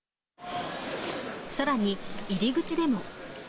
さらに、入り口でも。